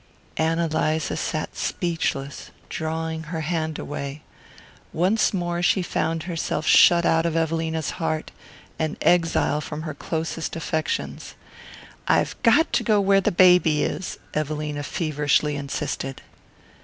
Ann Eliza sat speechless, drawing her hand away. Once more she found herself shut out of Evelina's heart, an exile from her closest affections. "I've got to go where the baby is," Evelina feverishly insisted.